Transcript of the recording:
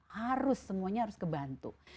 harus semuanya harus kebantu